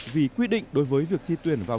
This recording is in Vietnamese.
vì quy định đối với việc thi tuyển vào